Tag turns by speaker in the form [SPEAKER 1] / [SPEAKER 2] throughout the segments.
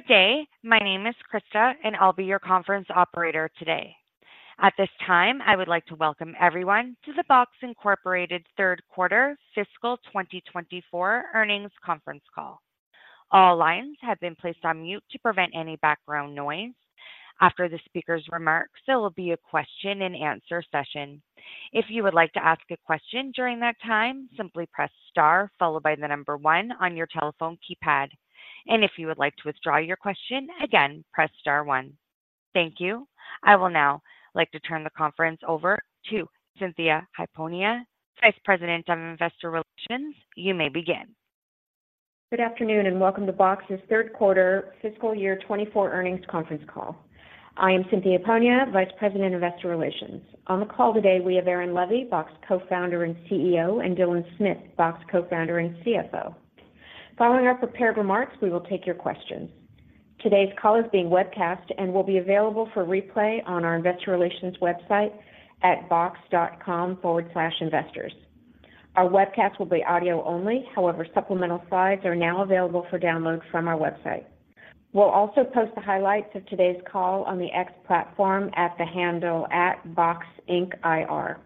[SPEAKER 1] Good day. My name is Krista, and I'll be your conference operator today. At this time, I would like to welcome everyone to the Box Incorporated third quarter fiscal 2024 earnings conference call. All lines have been placed on mute to prevent any background noise. After the speaker's remarks, there will be a question and answer session. If you would like to ask a question during that time, simply press star followed by the number one on your telephone keypad. If you would like to withdraw your question, again, press star one. Thank you. I will now like to turn the conference over to Cynthia Hiponia, Vice President of Investor Relations. You may begin.
[SPEAKER 2] Good afternoon, and welcome to Box's third quarter fiscal year 2024 earnings conference call. I am Cynthia Hiponia, Vice President, Investor Relations. On the call today, we have Aaron Levie, Box Co-founder and CEO, and Dylan Smith, Box Co-founder and CFO. Following our prepared remarks, we will take your questions. Today's call is being webcast and will be available for replay on our investor relations website at box.com/investors. Our webcast will be audio only. However, supplemental slides are now available for download from our website. We'll also post the highlights of today's call on the X platform at the handle, @BoxIncIR.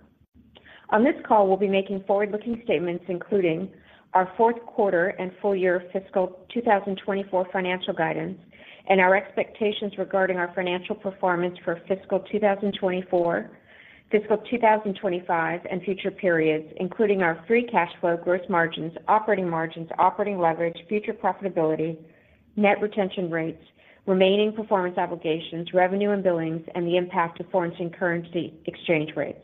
[SPEAKER 2] On this call, we'll be making forward-looking statements, including our fourth quarter and full year fiscal 2024 financial guidance and our expectations regarding our financial performance for fiscal 2024, fiscal 2025, and future periods, including our free cash flow, gross margins, operating margins, operating leverage, future profitability, net retention rates, remaining performance obligations, revenue and billings, and the impact of foreign currency exchange rates.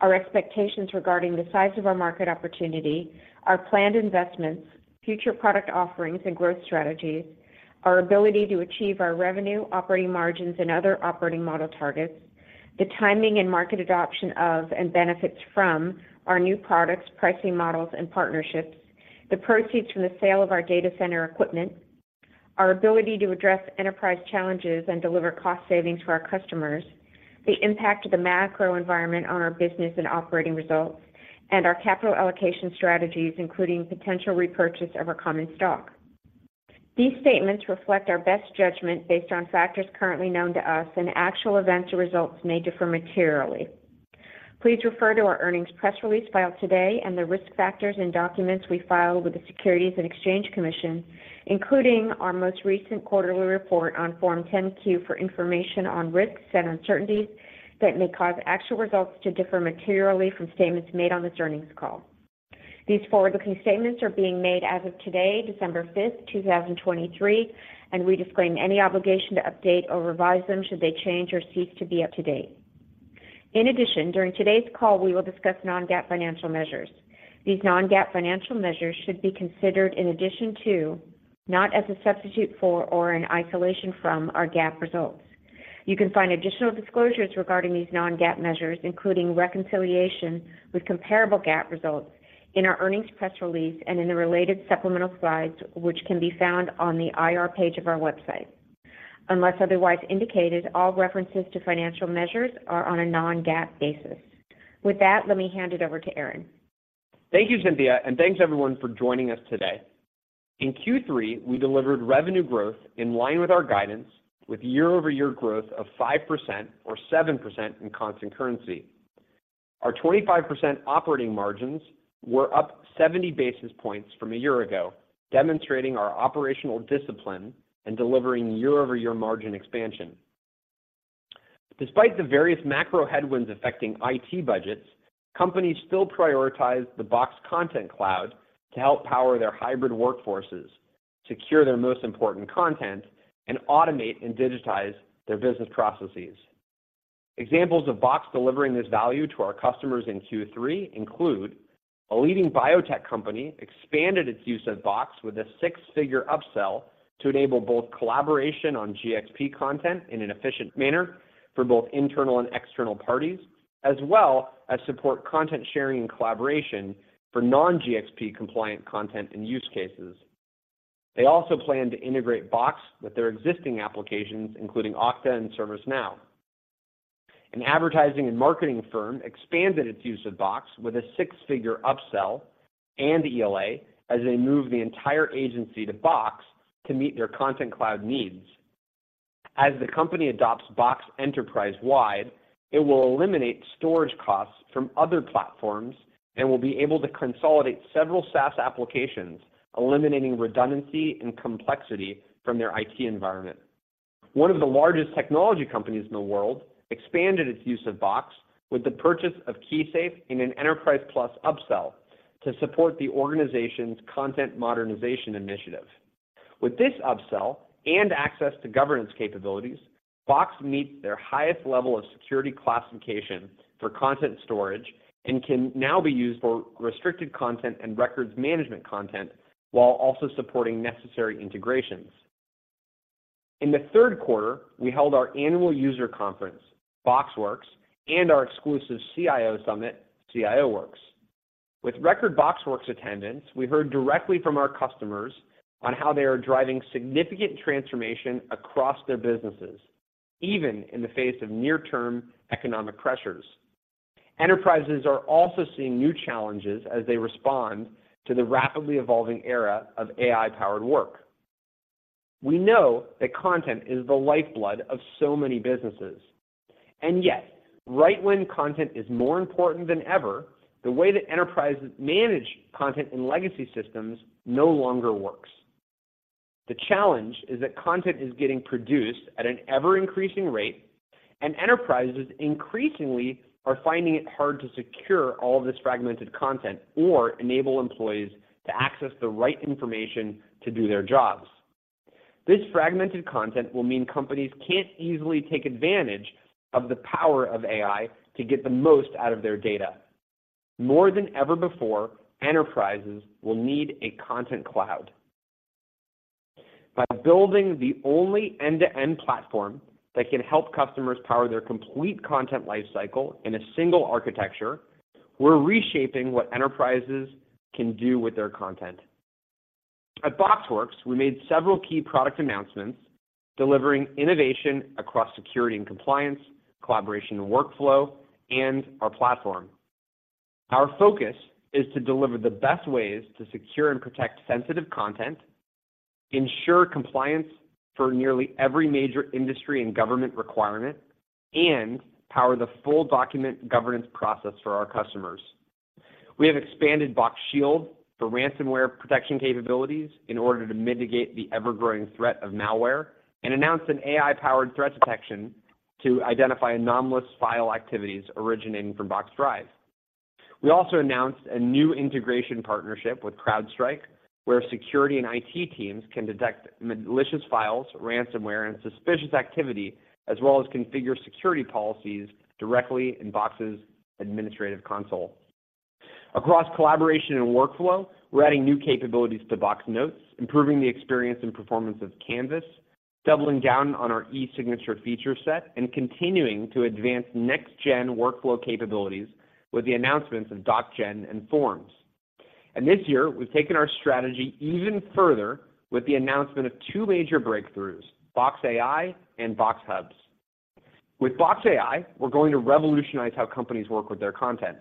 [SPEAKER 2] Our expectations regarding the size of our market opportunity, our planned investments, future product offerings, and growth strategies, our ability to achieve our revenue, operating margins, and other operating model targets, the timing and market adoption of and benefits from our new products, pricing models, and partnerships, the proceeds from the sale of our data center equipment, our ability to address enterprise challenges and deliver cost savings to our customers, the impact of the macro environment on our business and operating results, and our capital allocation strategies, including potential repurchase of our common stock. These statements reflect our best judgment based on factors currently known to us, and actual events or results may differ materially. Please refer to our earnings press release filed today and the risk factors and documents we filed with the Securities and Exchange Commission, including our most recent quarterly report on Form 10-Q, for information on risks and uncertainties that may cause actual results to differ materially from statements made on this earnings call. These forward-looking statements are being made as of today, December 5, 2023, and we disclaim any obligation to update or revise them should they change or cease to be up to date. In addition, during today's call, we will discuss non-GAAP financial measures. These non-GAAP financial measures should be considered in addition to, not as a substitute for, or in isolation from, our GAAP results. You can find additional disclosures regarding these non-GAAP measures, including reconciliation with comparable GAAP results in our earnings press release and in the related supplemental slides, which can be found on the IR page of our website. Unless otherwise indicated, all references to financial measures are on a non-GAAP basis. With that, let me hand it over to Aaron.
[SPEAKER 3] Thank you, Cynthia, and thanks everyone for joining us today. In Q3, we delivered revenue growth in line with our guidance, with year-over-year growth of 5% or 7% in constant currency. Our 25% operating margins were up 70 basis points from a year ago, demonstrating our operational discipline and delivering year-over-year margin expansion. Despite the various macro headwinds affecting IT budgets, companies still prioritize the Box Content Cloud to help power their hybrid workforces, secure their most important content, and automate and digitize their business processes. Examples of Box delivering this value to our customers in Q3 include: A leading biotech company expanded its use of Box with a six-figure upsell to enable both collaboration on GxP content in an efficient manner for both internal and external parties, as well as support content sharing and collaboration for non-GxP compliant content and use cases. They also plan to integrate Box with their existing applications, including Okta and ServiceNow. An advertising and marketing firm expanded its use of Box with a six-figure upsell and ELA as they move the entire agency to Box to meet their content cloud needs. As the company adopts Box enterprise-wide, it will eliminate storage costs from other platforms and will be able to consolidate several SaaS applications, eliminating redundancy and complexity from their IT environment. One of the largest technology companies in the world expanded its use of Box with the purchase of KeySafe in an Enterprise Plus upsell to support the organization's content modernization initiative. With this upsell and access to governance capabilities, Box meets their highest level of security classification for content storage and can now be used for restricted content and records management content, while also supporting necessary integrations. In the third quarter, we held our annual user conference, BoxWorks, and our exclusive CIO summit, CIO Works. With record BoxWorks attendance, we heard directly from our customers on how they are driving significant transformation across their businesses, even in the face of near-term economic pressures. Enterprises are also seeing new challenges as they respond to the rapidly evolving era of AI-powered work. We know that content is the lifeblood of so many businesses, and yet, right when content is more important than ever, the way that enterprises manage content in legacy systems no longer works. The challenge is that content is getting produced at an ever-increasing rate, and enterprises increasingly are finding it hard to secure all of this fragmented content or enable employees to access the right information to do their jobs. This fragmented content will mean companies can't easily take advantage of the power of AI to get the most out of their data. More than ever before, enterprises will need a content cloud. By building the only end-to-end platform that can help customers power their complete content life cycle in a single architecture, we're reshaping what enterprises can do with their content. At BoxWorks, we made several key product announcements, delivering innovation across security and compliance, collaboration and workflow, and our platform. Our focus is to deliver the best ways to secure and protect sensitive content, ensure compliance for nearly every major industry and government requirement, and power the full document governance process for our customers. We have expanded Box Shield for ransomware protection capabilities in order to mitigate the ever-growing threat of malware and announced an AI-powered threat detection to identify anomalous file activities originating from Box Drive. We also announced a new integration partnership with CrowdStrike, where security and IT teams can detect malicious files, ransomware, and suspicious activity, as well as configure security policies directly in Box's administrative console. Across collaboration and workflow, we're adding new capabilities to Box Notes, improving the experience and performance of Canvas, doubling down on our e-signature feature set, and continuing to advance next-gen workflow capabilities with the announcements of DocGen and Forms. This year, we've taken our strategy even further with the announcement of two major breakthroughs: Box AI and Box Hubs. With Box AI, we're going to revolutionize how companies work with their content.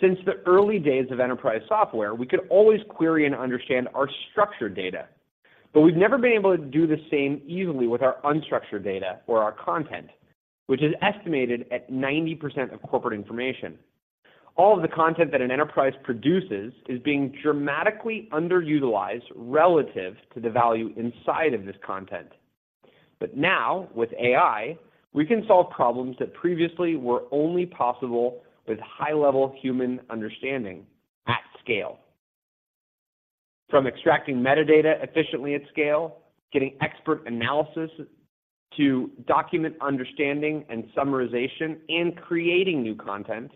[SPEAKER 3] Since the early days of enterprise software, we could always query and understand our structured data, but we've never been able to do the same easily with our unstructured data or our content, which is estimated at 90% of corporate information. All of the content that an enterprise produces is being dramatically underutilized relative to the value inside of this content. But now, with AI, we can solve problems that previously were only possible with high-level human understanding at scale. From extracting metadata efficiently at scale, getting expert analysis, to document understanding and summarization, and creating new content,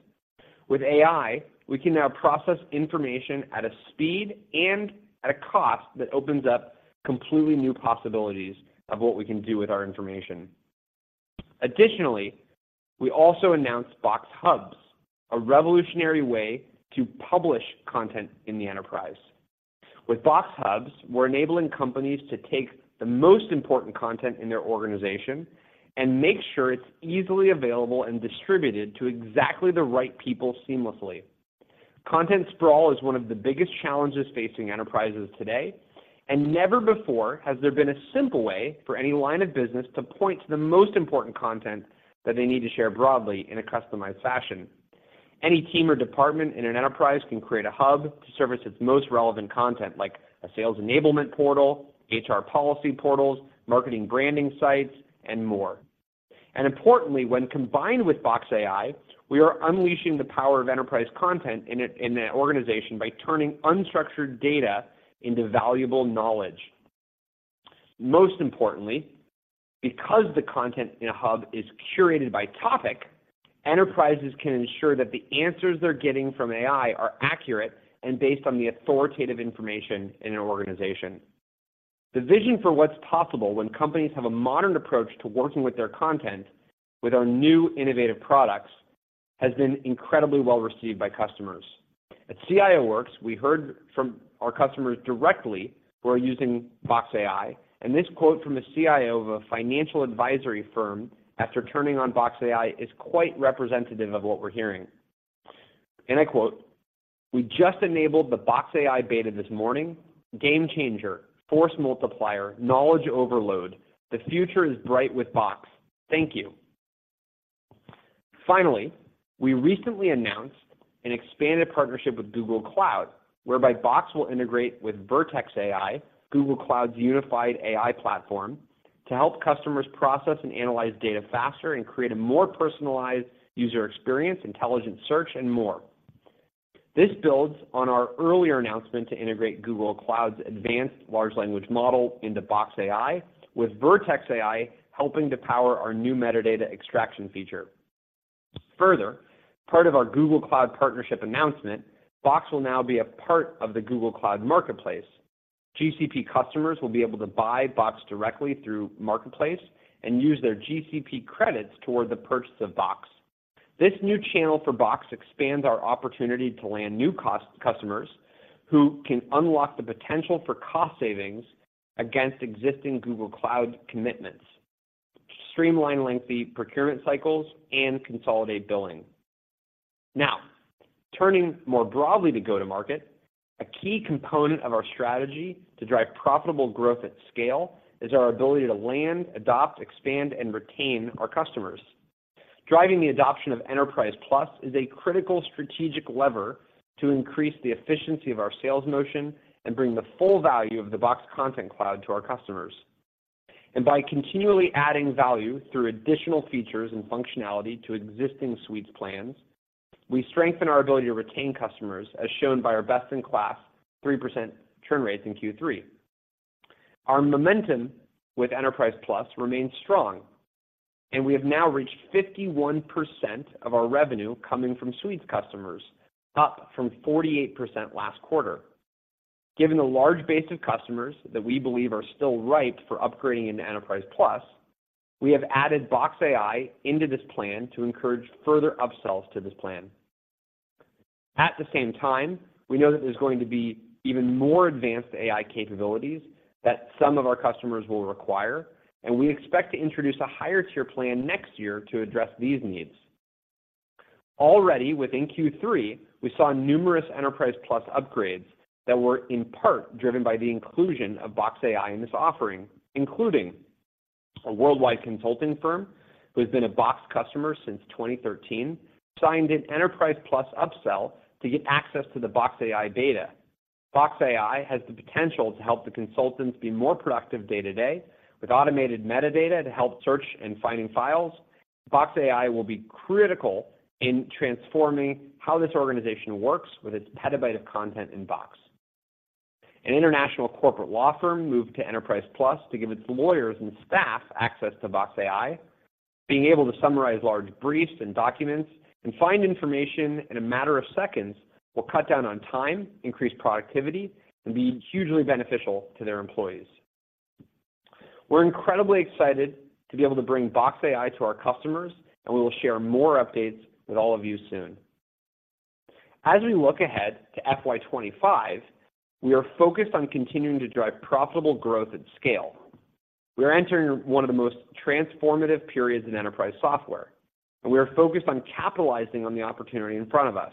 [SPEAKER 3] with AI, we can now process information at a speed and at a cost that opens up completely new possibilities of what we can do with our information. Additionally, we also announced Box Hubs, a revolutionary way to publish content in the enterprise. With Box Hubs, we're enabling companies to take the most important content in their organization and make sure it's easily available and distributed to exactly the right people seamlessly. Content sprawl is one of the biggest challenges facing enterprises today, and never before has there been a simple way for any line of business to point to the most important content that they need to share broadly in a customized fashion. Any team or department in an enterprise can create a hub to service its most relevant content, like a sales enablement portal, HR policy portals, marketing branding sites, and more. Importantly, when combined with Box AI, we are unleashing the power of enterprise content in an organization by turning unstructured data into valuable knowledge. Most importantly, because the content in a hub is curated by topic, enterprises can ensure that the answers they're getting from AI are accurate and based on the authoritative information in an organization. The vision for what's possible when companies have a modern approach to working with their content with our new innovative products has been incredibly well-received by customers. At CIO Works, we heard from our customers directly who are using Box AI, and this quote from a CIO of a financial advisory firm after turning on Box AI is quite representative of what we're hearing. I quote: "We just enabled the Box AI beta this morning. Game changer, force multiplier, knowledge overload. The future is bright with Box. Thank you!" Finally, we recently announced an expanded partnership with Google Cloud, whereby Box will integrate with Vertex AI, Google Cloud's unified AI platform, to help customers process and analyze data faster and create a more personalized user experience, intelligent search, and more. This builds on our earlier announcement to integrate Google Cloud's advanced large language model into Box AI, with Vertex AI helping to power our new metadata extraction feature. Further, part of our Google Cloud partnership announcement, Box will now be a part of the Google Cloud Marketplace. GCP customers will be able to buy Box directly through Marketplace and use their GCP credits toward the purchase of Box. This new channel for Box expands our opportunity to land new cost-conscious customers who can unlock the potential for cost savings against existing Google Cloud commitments... streamline lengthy procurement cycles, and consolidate billing. Now, turning more broadly to go-to-market, a key component of our strategy to drive profitable growth at scale is our ability to land, adopt, expand, and retain our customers. Driving the adoption of Enterprise Plus is a critical strategic lever to increase the efficiency of our sales motion and bring the full value of the Box Content Cloud to our customers. By continually adding value through additional features and functionality to existing Suites plans, we strengthen our ability to retain customers, as shown by our best-in-class 3% churn rates in Q3. Our momentum with Enterprise Plus remains strong, and we have now reached 51% of our revenue coming from Suites customers, up from 48% last quarter. Given the large base of customers that we believe are still ripe for upgrading into Enterprise Plus, we have added Box AI into this plan to encourage further upsells to this plan. At the same time, we know that there's going to be even more advanced AI capabilities that some of our customers will require, and we expect to introduce a higher tier plan next year to address these needs. Already within Q3, we saw numerous Enterprise Plus upgrades that were in part driven by the inclusion of Box AI in this offering, including a worldwide consulting firm who has been a Box customer since 2013, signed an Enterprise Plus upsell to get access to the Box AI data. Box AI has the potential to help the consultants be more productive day-to-day with automated metadata to help search and finding files. Box AI will be critical in transforming how this organization works with its petabyte of content in Box. An international corporate law firm moved to Enterprise Plus to give its lawyers and staff access to Box AI. Being able to summarize large briefs and documents and find information in a matter of seconds will cut down on time, increase productivity, and be hugely beneficial to their employees. We're incredibly excited to be able to bring Box AI to our customers, and we will share more updates with all of you soon. As we look ahead to FY 2025, we are focused on continuing to drive profitable growth at scale. We are entering one of the most transformative periods in enterprise software, and we are focused on capitalizing on the opportunity in front of us.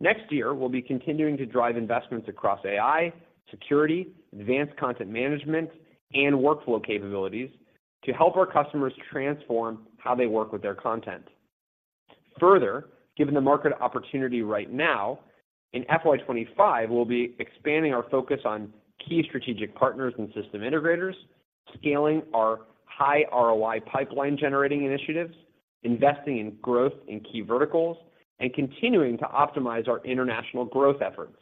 [SPEAKER 3] Next year, we'll be continuing to drive investments across AI, security, advanced content management, and workflow capabilities to help our customers transform how they work with their content. Further, given the market opportunity right now, in FY 2025, we'll be expanding our focus on key strategic partners and system integrators, scaling our high ROI pipeline-generating initiatives, investing in growth in key verticals, and continuing to optimize our international growth efforts.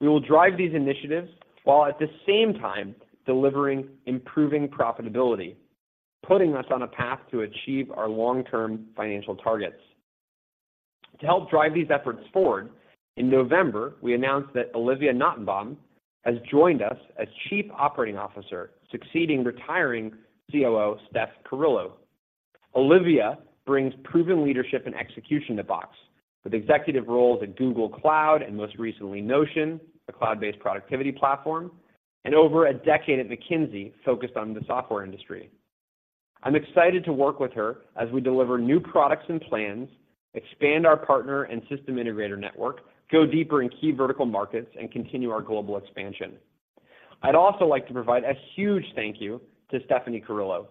[SPEAKER 3] We will drive these initiatives while at the same time delivering improving profitability, putting us on a path to achieve our long-term financial targets. To help drive these efforts forward, in November, we announced that Olivia Nottebohm has joined us as Chief Operating Officer, succeeding retiring COO, Steph Carullo. Olivia brings proven leadership and execution to Box, with executive roles at Google Cloud and most recently, Notion, a cloud-based productivity platform, and over a decade at McKinsey, focused on the software industry. I'm excited to work with her as we deliver new products and plans, expand our partner and system integrator network, go deeper in key vertical markets, and continue our global expansion. I'd also like to provide a huge thank you to Stephanie Carullo,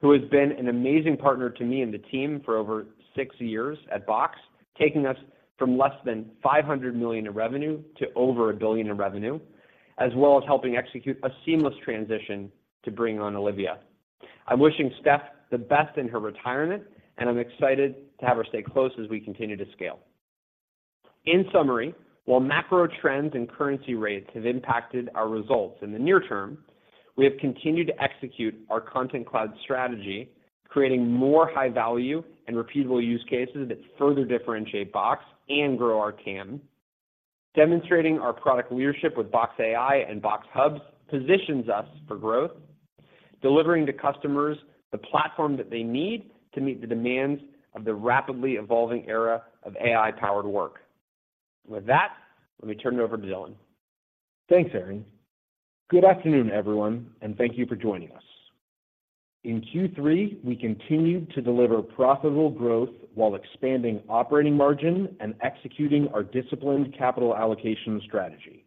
[SPEAKER 3] who has been an amazing partner to me and the team for over six years at Box, taking us from less than $500 million in revenue to over $1 billion in revenue, as well as helping execute a seamless transition to bring on Olivia. I'm wishing Steph the best in her retirement, and I'm excited to have her stay close as we continue to scale. In summary, while macro trends and currency rates have impacted our results in the near term, we have continued to execute our Content Cloud strategy, creating more high value and repeatable use cases that further differentiate Box and grow our TAM. Demonstrating our product leadership with Box AI and Box Hubs positions us for growth, delivering to customers the platform that they need to meet the demands of the rapidly evolving era of AI-powered work. With that, let me turn it over to Dylan.
[SPEAKER 4] Thanks, Aaron. Good afternoon, everyone, and thank you for joining us. In Q3, we continued to deliver profitable growth while expanding operating margin and executing our disciplined capital allocation strategy.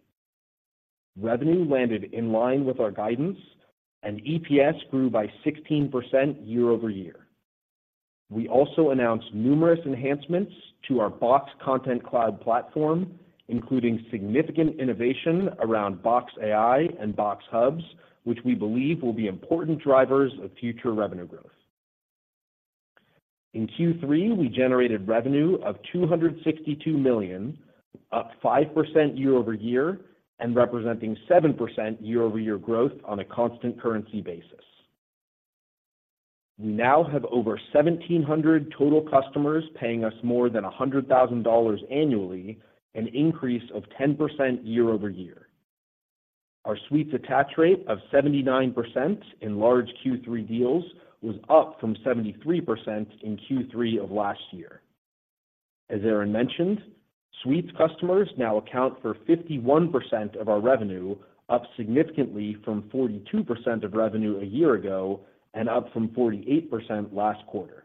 [SPEAKER 4] Revenue landed in line with our guidance, and EPS grew by 16% year-over-year. We also announced numerous enhancements to our Box Content Cloud platform, including significant innovation around Box AI and Box Hubs, which we believe will be important drivers of future revenue growth. In Q3, we generated revenue of $262 million, up 5% year-over-year, and representing 7% year-over-year growth on a constant currency basis. We now have over 1,700 total customers paying us more than $100,000 annually, an increase of 10% year-over-year. Our Suites attach rate of 79% in large Q3 deals was up from 73% in Q3 of last year. As Aaron mentioned, Suites customers now account for 51% of our revenue, up significantly from 42% of revenue a year ago and up from 48% last quarter.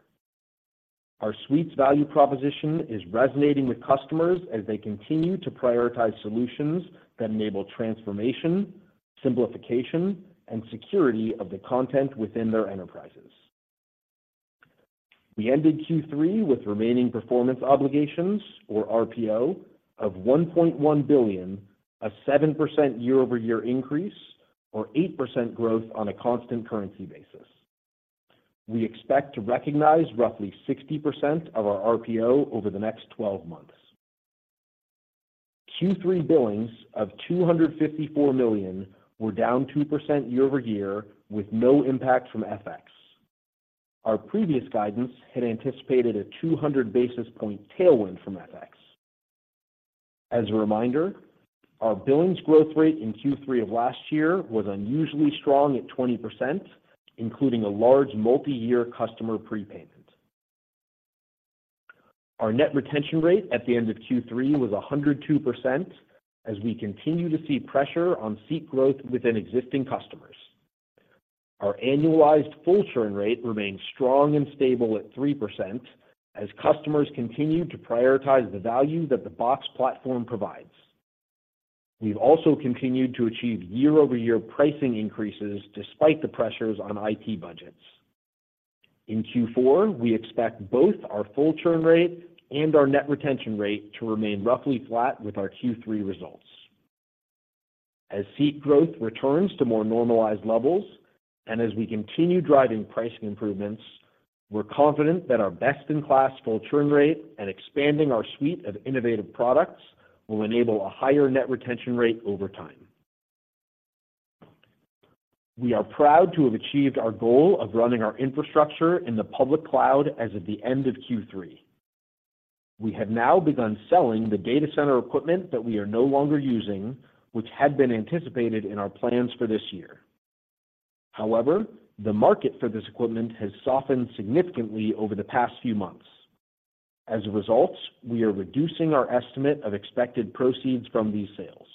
[SPEAKER 4] Our Suites value proposition is resonating with customers as they continue to prioritize solutions that enable transformation, simplification, and security of the content within their enterprises. We ended Q3 with remaining performance obligations, or RPO, of $1.1 billion, a 7% year-over-year increase, or 8% growth on a constant currency basis. We expect to recognize roughly 60% of our RPO over the next twelve months. Q3 billings of $254 million were down 2% year over year, with no impact from FX. Our previous guidance had anticipated a 200 basis point tailwind from FX. As a reminder, our billings growth rate in Q3 of last year was unusually strong at 20%, including a large multiyear customer prepayment. Our net retention rate at the end of Q3 was 102%, as we continue to see pressure on seat growth within existing customers. Our annualized full churn rate remains strong and stable at 3%, as customers continue to prioritize the value that the Box Platform provides. We've also continued to achieve year-over-year pricing increases despite the pressures on IT budgets. In Q4, we expect both our full churn rate and our net retention rate to remain roughly flat with our Q3 results. As seat growth returns to more normalized levels, and as we continue driving pricing improvements, we're confident that our best-in-class full churn rate and expanding our suite of innovative products will enable a higher net retention rate over time. We are proud to have achieved our goal of running our infrastructure in the public cloud as of the end of Q3. We have now begun selling the data center equipment that we are no longer using, which had been anticipated in our plans for this year. However, the market for this equipment has softened significantly over the past few months. As a result, we are reducing our estimate of expected proceeds from these sales.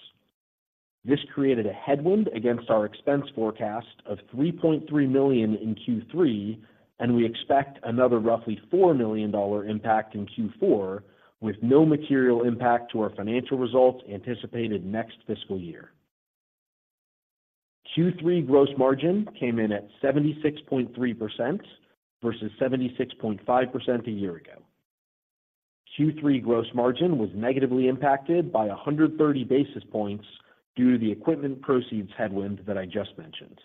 [SPEAKER 4] This created a headwind against our expense forecast of $3.3 million in Q3, and we expect another roughly $4 million impact in Q4, with no material impact to our financial results anticipated next fiscal year. Q3 gross margin came in at 76.3% versus 76.5% a year ago. Q3 gross margin was negatively impacted by 100 basis points due to the equipment proceeds headwind that I just mentioned.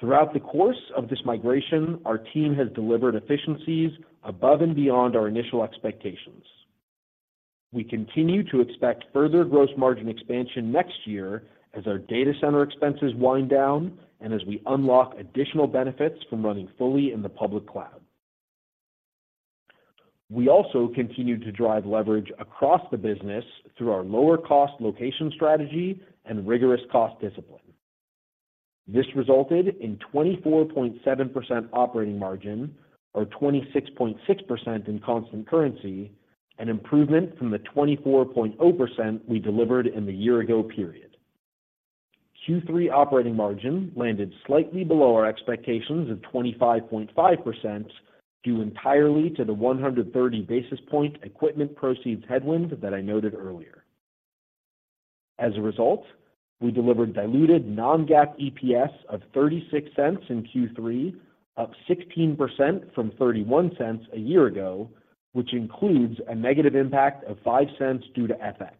[SPEAKER 4] Throughout the course of this migration, our team has delivered efficiencies above and beyond our initial expectations. We continue to expect further gross margin expansion next year as our data center expenses wind down and as we unlock additional benefits from running fully in the public cloud. We also continued to drive leverage across the business through our lower cost location strategy and rigorous cost discipline. This resulted in 24.7% operating margin, or 26.6% in constant currency, an improvement from the 24.0% we delivered in the year ago period. Q3 operating margin landed slightly below our expectations of 25.5%, due entirely to the 130 basis points equipment proceeds headwind that I noted earlier. As a result, we delivered diluted non-GAAP EPS of $0.36 in Q3, up 16% from $0.31 a year ago, which includes a negative impact of $0.05 due to FX.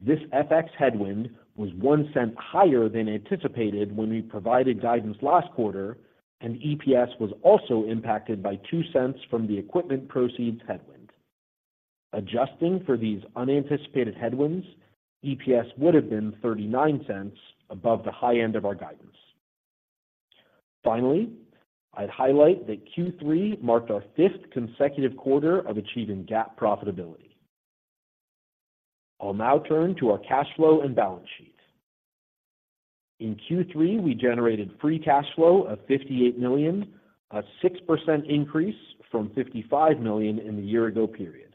[SPEAKER 4] This FX headwind was $0.01 higher than anticipated when we provided guidance last quarter, and EPS was also impacted by $0.02 from the equipment proceeds headwind. Adjusting for these unanticipated headwinds, EPS would have been $0.39 above the high end of our guidance. Finally, I'd highlight that Q3 marked our 5th consecutive quarter of achieving GAAP profitability. I'll now turn to our cash flow and balance sheet. In Q3, we generated free cash flow of $58 million, a 6% increase from $55 million in the year ago period.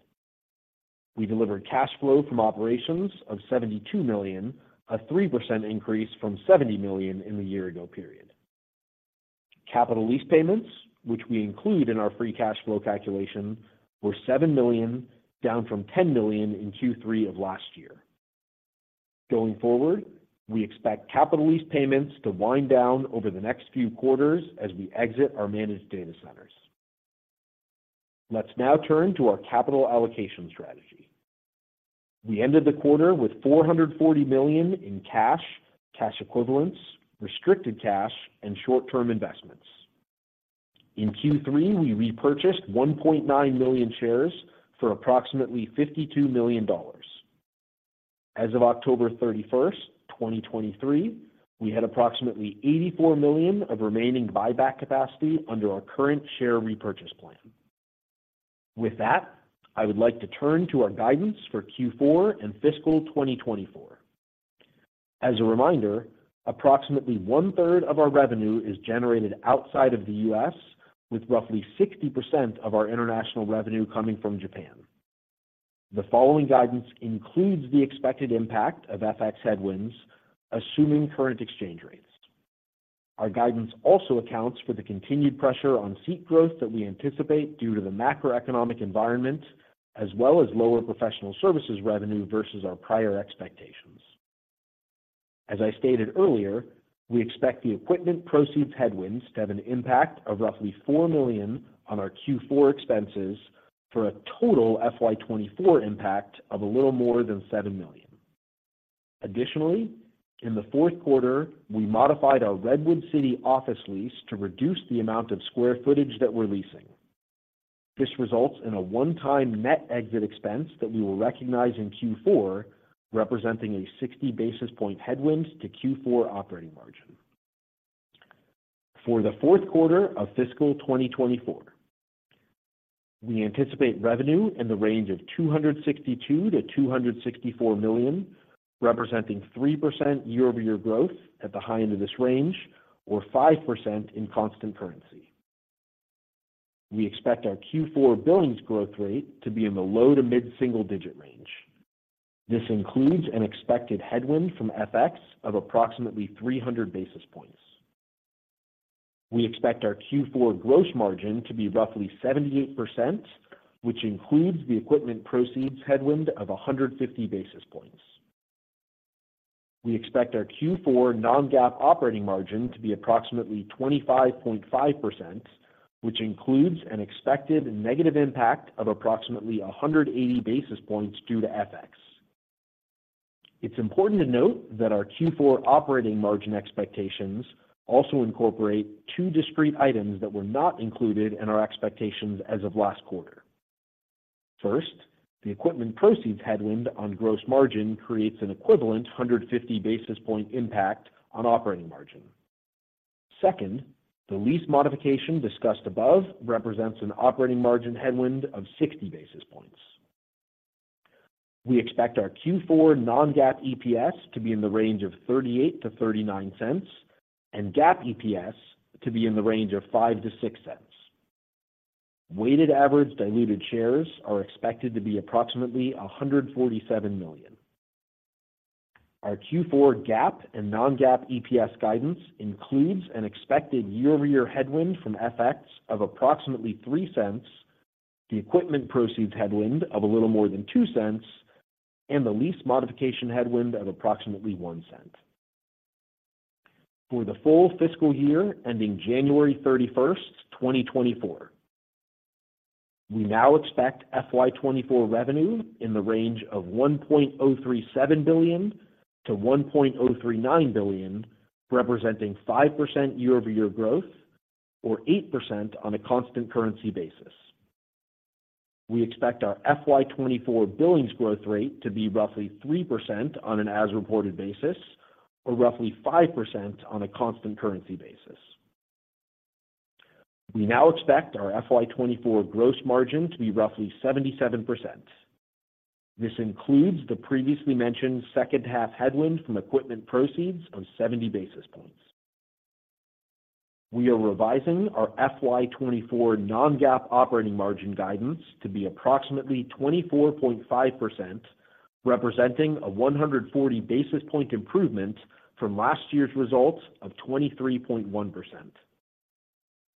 [SPEAKER 4] We delivered cash flow from operations of $72 million, a 3% increase from $70 million in the year ago period. Capital lease payments, which we include in our free cash flow calculation, were $7 million, down from $10 million in Q3 of last year. Going forward, we expect capital lease payments to wind down over the next few quarters as we exit our managed data centers. Let's now turn to our capital allocation strategy. We ended the quarter with $440 million in cash, cash equivalents, restricted cash, and short-term investments. In Q3, we repurchased 1.9 million shares for approximately $52 million. As of October 31, 2023, we had approximately $84 million of remaining buyback capacity under our current share repurchase plan. With that, I would like to turn to our guidance for Q4 and fiscal 2024. As a reminder, approximately one-third of our revenue is generated outside of the U.S., with roughly 60% of our international revenue coming from Japan. The following guidance includes the expected impact of FX headwinds, assuming current exchange rates. Our guidance also accounts for the continued pressure on seat growth that we anticipate due to the macroeconomic environment, as well as lower professional services revenue versus our prior expectations. As I stated earlier, we expect the equipment proceeds headwinds to have an impact of roughly $4 million on our Q4 expenses, for a total FY 2024 impact of a little more than $7 million. Additionally, in the fourth quarter, we modified our Redwood City office lease to reduce the amount of square footage that we're leasing. This results in a one-time net exit expense that we will recognize in Q4, representing a 60 basis point headwind to Q4 operating margin. For the fourth quarter of fiscal 2024, we anticipate revenue in the range of $262 million-$264 million, representing 3% year-over-year growth at the high end of this range, or 5% in constant currency. We expect our Q4 billings growth rate to be in the low to mid-single digit range. This includes an expected headwind from FX of approximately 300 basis points. We expect our Q4 gross margin to be roughly 78%, which includes the equipment proceeds headwind of 150 basis points. We expect our Q4 non-GAAP operating margin to be approximately 25.5%, which includes an expected negative impact of approximately 180 basis points due to FX. It's important to note that our Q4 operating margin expectations also incorporate two discrete items that were not included in our expectations as of last quarter. First, the equipment proceeds headwind on gross margin creates an equivalent 150 basis point impact on operating margin. Second, the lease modification discussed above represents an operating margin headwind of 60 basis points. We expect our Q4 non-GAAP EPS to be in the range of $0.38-$0.39, and GAAP EPS to be in the range of $0.05-$0.06. Weighted average diluted shares are expected to be approximately 147 million. Our Q4 GAAP and non-GAAP EPS guidance includes an expected year-over-year headwind from FX of approximately $0.03, the equipment proceeds headwind of a little more than $0.02, and the lease modification headwind of approximately $0.01. For the full fiscal year, ending January 31, 2024, we now expect FY 2024 revenue in the range of $1.037 billion-$1.039 billion, representing 5% year-over-year growth or 8% on a constant currency basis. We expect our FY 2024 billings growth rate to be roughly 3% on an as-reported basis, or roughly 5% on a constant currency basis. We now expect our FY 2024 gross margin to be roughly 77%. This includes the previously mentioned second half headwind from equipment proceeds of 70 basis points. We are revising our FY 2024 non-GAAP operating margin guidance to be approximately 24.5%, representing a 140 basis point improvement from last year's results of 23.1%.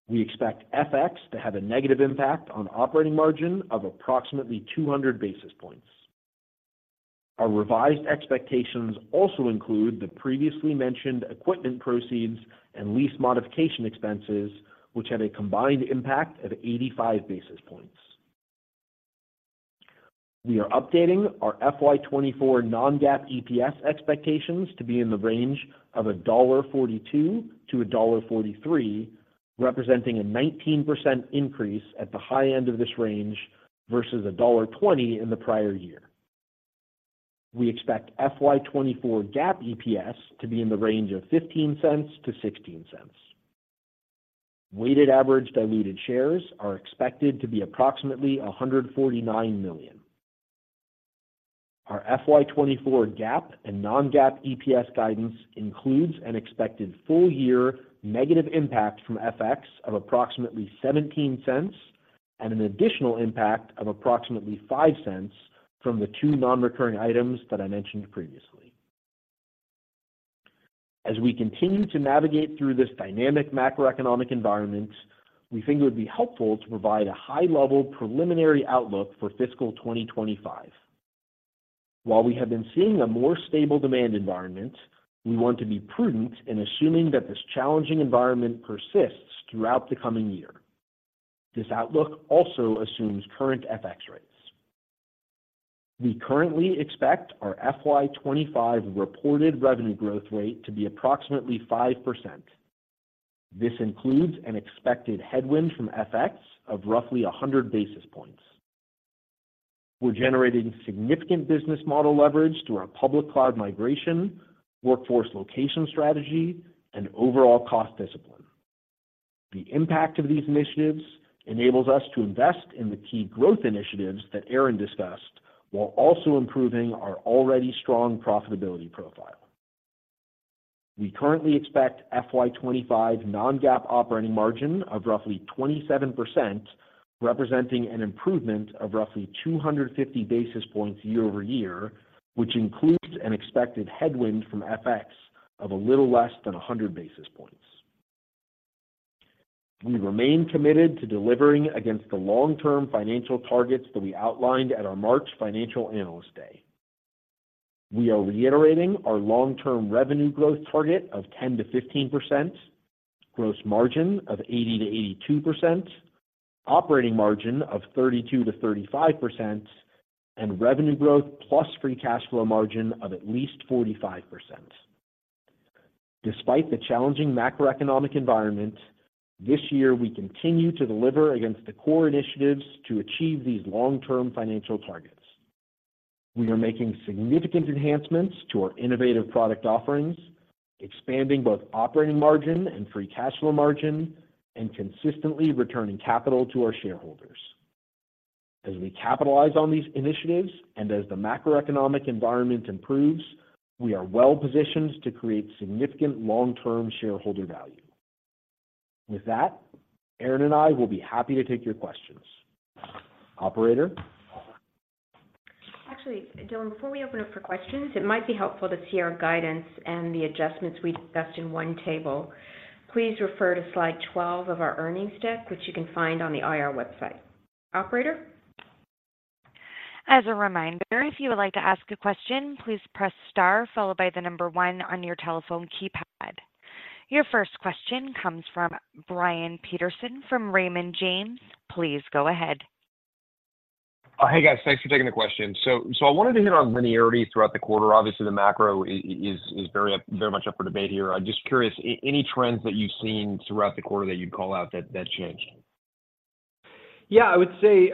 [SPEAKER 4] We expect FX to have a negative impact on operating margin of approximately 200 basis points. Our revised expectations also include the previously mentioned equipment proceeds and lease modification expenses, which have a combined impact of 85 basis points. We are updating our FY 2024 non-GAAP EPS expectations to be in the range of $1.42-$1.43, representing a 19% increase at the high end of this range versus $1.20 in the prior year. We expect FY 2024 GAAP EPS to be in the range of $0.15-$0.16. Weighted average diluted shares are expected to be approximately 149 million. Our FY 2024 GAAP and non-GAAP EPS guidance includes an expected full-year negative impact from FX of approximately $0.17 and an additional impact of approximately $0.05 from the two non-recurring items that I mentioned previously. As we continue to navigate through this dynamic macroeconomic environment, we think it would be helpful to provide a high-level preliminary outlook for fiscal 2025. While we have been seeing a more stable demand environment, we want to be prudent in assuming that this challenging environment persists throughout the coming year. This outlook also assumes current FX rates. We currently expect our FY 2025 reported revenue growth rate to be approximately 5%. This includes an expected headwind from FX of roughly 100 basis points. We're generating significant business model leverage through our public cloud migration, workforce location strategy, and overall cost discipline. The impact of these initiatives enables us to invest in the key growth initiatives that Aaron discussed, while also improving our already strong profitability profile. We currently expect FY 2025 non-GAAP operating margin of roughly 27%, representing an improvement of roughly 250 basis points year over year, which includes an expected headwind from FX of a little less than 100 basis points. We remain committed to delivering against the long-term financial targets that we outlined at our March Financial Analyst Day. We are reiterating our long-term revenue growth target of 10%-15%, gross margin of 80%-82%, operating margin of 32%-35%, and revenue growth plus free cash flow margin of at least 45%. Despite the challenging macroeconomic environment, this year, we continue to deliver against the core initiatives to achieve these long-term financial targets. We are making significant enhancements to our innovative product offerings, expanding both operating margin and free cash flow margin, and consistently returning capital to our shareholders. As we capitalize on these initiatives and as the macroeconomic environment improves, we are well positioned to create significant long-term shareholder value. With that, Aaron and I will be happy to take your questions. Operator?
[SPEAKER 2] Actually, Dylan, before we open up for questions, it might be helpful to see our guidance and the adjustments we discussed in one table. Please refer to slide 12 of our earnings deck, which you can find on the IR website. Operator?
[SPEAKER 1] As a reminder, if you would like to ask a question, please press star followed by the number one on your telephone keypad. Your first question comes from Brian Peterson from Raymond James. Please go ahead.
[SPEAKER 5] Oh, hey, guys. Thanks for taking the question. So I wanted to hit on linearity throughout the quarter. Obviously, the macro is very up, very much up for debate here. I'm just curious, any trends that you've seen throughout the quarter that you'd call out that changed?
[SPEAKER 3] Yeah, I would say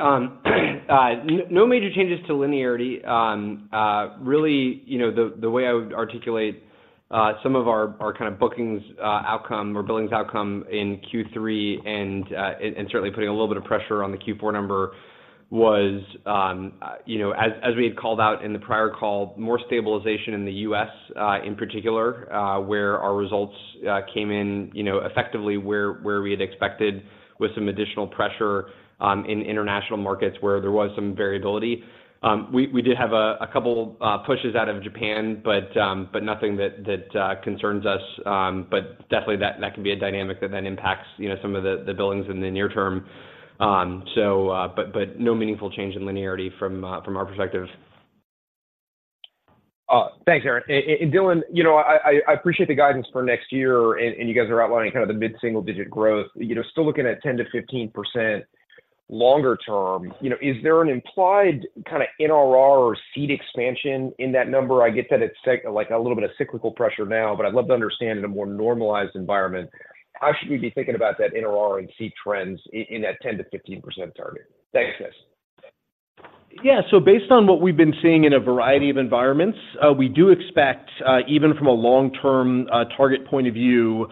[SPEAKER 3] no major changes to linearity. Really, you know, the way I would articulate some of our kind of bookings outcome or billings outcome in Q3 and certainly putting a little bit of pressure on the Q4 number was, you know, as we had called out in the prior call, more stabilization in the U.S., in particular, where our results came in, you know, effectively where we had expected, with some additional pressure in international markets where there was some variability. We did have a couple pushes out of Japan, but nothing that concerns us. But definitely that can be a dynamic that then impacts, you know, some of the billings in the near term. So, but no meaningful change in linearity from our perspective.
[SPEAKER 5] Thanks, Aaron. And Dylan, you know, I appreciate the guidance for next year, and you guys are outlining kind of the mid-single-digit growth. You know, still looking at 10%-15% longer term. You know, is there an implied kind of NRR or seat expansion in that number? I get that it's like a little bit of cyclical pressure now, but I'd love to understand in a more normalized environment how should we be thinking about that NRR and seat trends in that 10%-15% target? Thanks, guys.
[SPEAKER 4] Yeah. So based on what we've been seeing in a variety of environments, we do expect, even from a long-term, target point of view,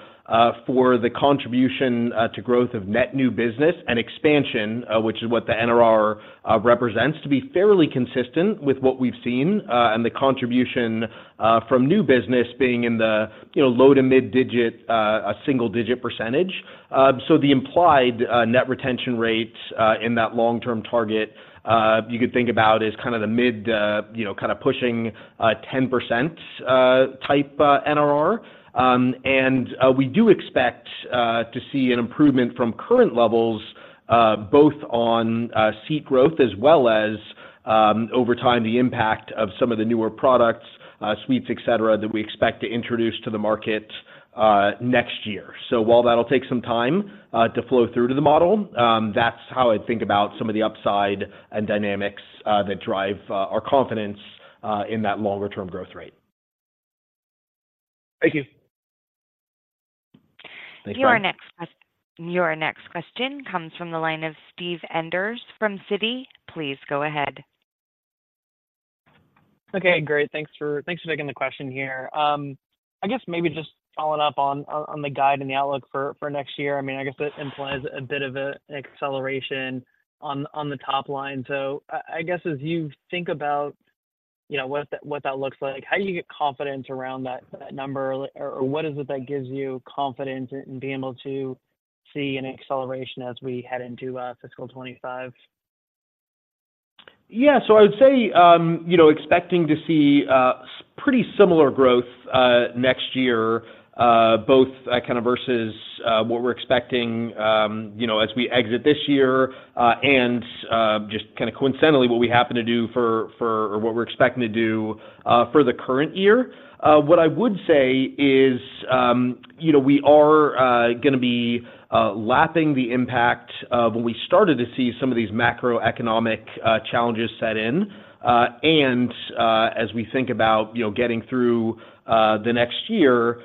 [SPEAKER 4] for the contribution, to growth of net new business and expansion, which is what the NRR represents, to be fairly consistent with what we've seen, and the contribution, from new business being in the, you know, low- to mid-digit, single-digit percentage. So the implied, net retention rate, in that long-term target, you could think about is kind of the mid, you know, kind of pushing, 10%, type, NRR. and we do expect to see an improvement from current levels, both on seat growth as well as over time, the impact of some of the newer products, suites, et cetera, that we expect to introduce to the market next year. So while that'll take some time to flow through to the model, that's how I'd think about some of the upside and dynamics that drive our confidence in that longer term growth rate.
[SPEAKER 5] Thank you.
[SPEAKER 4] Thanks, Brian.
[SPEAKER 1] Your next question comes from the line of Steve Enders from Citi. Please go ahead.
[SPEAKER 6] Okay, great. Thanks for taking the question here. I guess maybe just following up on the guide and the outlook for next year. I mean, I guess, as you think about, you know, what that looks like, how do you get confidence around that number? Or what is it that gives you confidence in being able to see an acceleration as we head into fiscal 2025?
[SPEAKER 4] Yeah. So I would say, you know, expecting to see pretty similar growth next year, both kind of versus what we're expecting, you know, as we exit this year, and just kind of coincidentally what we happen to do for or what we're expecting to do for the current year. What I would say is, you know, we are gonna be lapping the impact of when we started to see some of these macroeconomic challenges set in. And as we think about, you know, getting through the next year,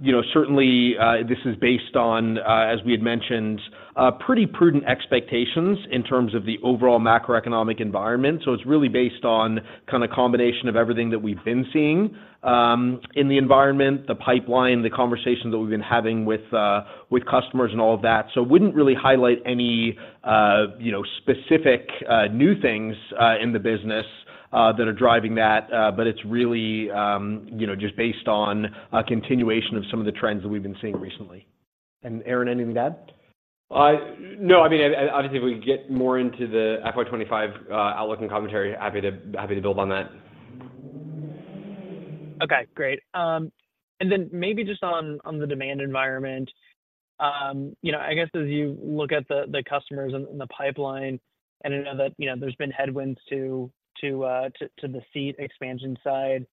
[SPEAKER 4] you know, certainly this is based on, as we had mentioned, pretty prudent expectations in terms of the overall macroeconomic environment. So it's really based on kind of combination of everything that we've been seeing in the environment, the pipeline, the conversations that we've been having with with customers and all of that. So wouldn't really highlight any, you know, specific, new things in the business that are driving that, but it's really, you know, just based on a continuation of some of the trends that we've been seeing recently and Aaron, anything to add?
[SPEAKER 3] No, I mean, and obviously, if we could get more into the FY 2025 outlook and commentary, happy to build on that.
[SPEAKER 6] Okay, great. And then maybe just on, on the demand environment, you know, I guess as you look at the, the customers in, in the pipeline, and I know that, you know, there's been headwinds to, to, to the seat expansion side,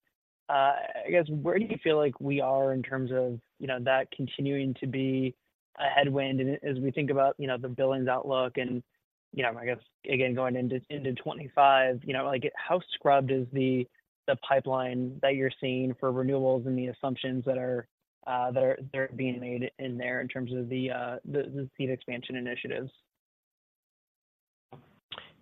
[SPEAKER 6] I guess, where do you feel like we are in terms of, you know, that continuing to be a headwind? And as we think about, you know, the billings outlook and, you know, I guess, again, going into, into 25, you know, like, how scrubbed is the, the pipeline that you're seeing for renewables and the assumptions that are, that are, that are being made in there in terms of the, the, the seat expansion initiatives?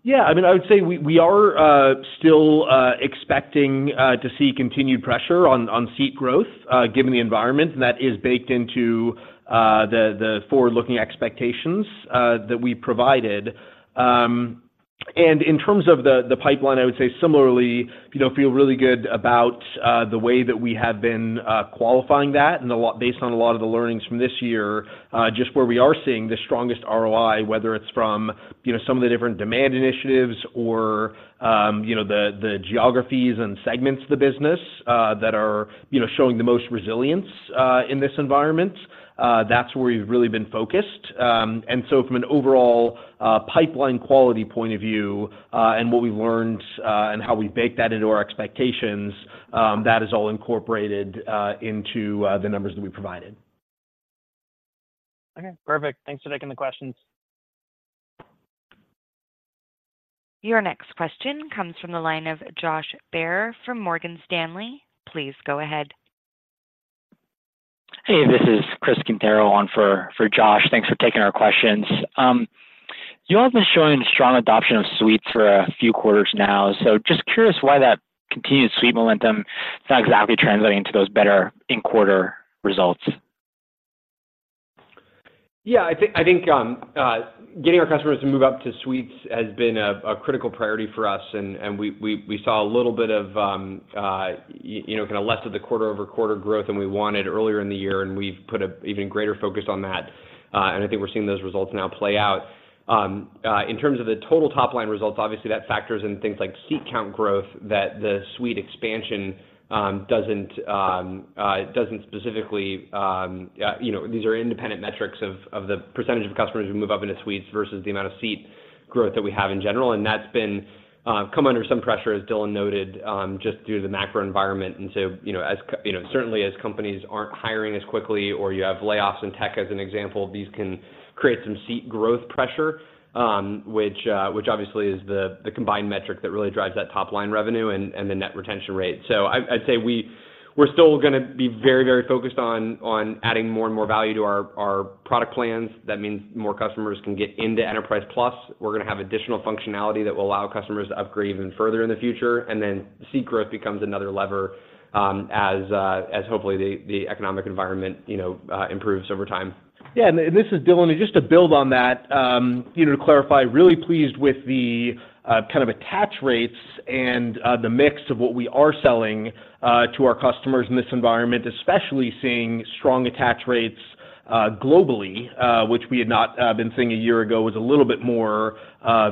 [SPEAKER 4] Yeah, I mean, I would say we are still expecting to see continued pressure on seat growth given the environment, and that is baked into the forward-looking expectations that we provided. And in terms of the pipeline, I would say similarly, you know, feel really good about the way that we have been qualifying that, and a lot based on a lot of the learnings from this year, just where we are seeing the strongest ROI, whether it's from, you know, some of the different demand initiatives or, you know, the geographies and segments of the business that are, you know, showing the most resilience in this environment. That's where we've really been focused. And so from an overall pipeline quality point of view, and what we've learned, and how we bake that into our expectations, that is all incorporated into the numbers that we provided.
[SPEAKER 6] Okay, perfect. Thanks for taking the questions.
[SPEAKER 1] Your next question comes from the line of Josh Baer from Morgan Stanley. Please go ahead.
[SPEAKER 7] Hey, this is Chris Quintero on for Josh. Thanks for taking our questions. You all have been showing strong adoption of Suites for a few quarters now. So just curious why that continued Suite momentum is not exactly translating to those better in-quarter results.
[SPEAKER 3] Yeah, I think, getting our customers to move up to Suites has been a critical priority for us, and we saw a little bit of, you know, kinda less of the quarter-over-quarter growth than we wanted earlier in the year, and we've put an even greater focus on that, and I think we're seeing those results now play out. In terms of the total top-line results, obviously, that factors in things like seat count growth, that the Suite expansion doesn't specifically... You know, these are independent metrics of the percentage of customers who move up into Suites versus the amount of seat growth that we have in general, and that's been come under some pressure, as Dylan noted, just due to the macro environment. And so, you know, you know, certainly as companies aren't hiring as quickly or you have layoffs in tech, as an example, these can create some seat growth pressure, which obviously is the combined metric that really drives that top-line revenue and the net retention rate. So I'd say we're still gonna be very, very focused on adding more and more value to our product plans. That means more customers can get into Enterprise Plus. We're gonna have additional functionality that will allow customers to upgrade even further in the future, and then seat growth becomes another lever, as hopefully, the economic environment, you know, improves over time.
[SPEAKER 4] Yeah, and this is Dylan. And just to build on that, you know, to clarify, really pleased with the, kind of attach rates and, the mix of what we are selling, to our customers in this environment, especially seeing strong attach rates, globally, which we had not, been seeing a year ago, was a little bit more,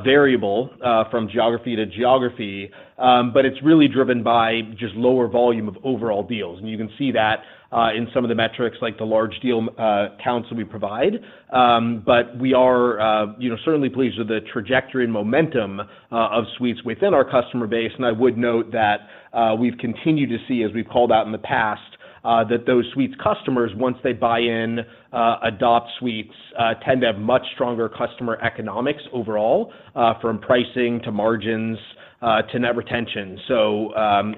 [SPEAKER 4] variable, from geography to geography. But it's really driven by just lower volume of overall deals, and you can see that, in some of the metrics, like the large deal, counts that we provide. But we are, you know, certainly pleased with the trajectory and momentum, of Suites within our customer base. I would note that, we've continued to see, as we've called out in the past, that those Suites customers, once they buy in, adopt Suites, tend to have much stronger customer economics overall, from pricing to margins, to net retention.